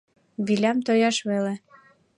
Вилям тояш веле.